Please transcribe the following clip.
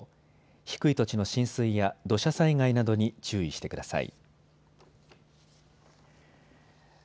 低い土地の浸水や土砂災害などに注意してください。